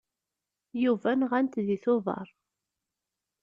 Yuba nɣan-t deg Tubeṛ.